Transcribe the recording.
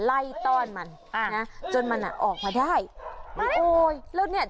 ต้อนมันอ่านะจนมันอ่ะออกมาได้โอ้ยแล้วเนี่ย